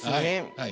はい。